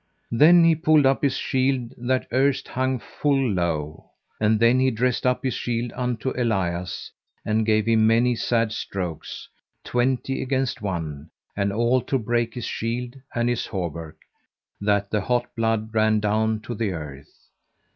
Then he pulled up his shield that erst hung full low. And then he dressed up his shield unto Elias, and gave him many sad strokes, twenty against one, and all to brake his shield and his hauberk, that the hot blood ran down to the earth.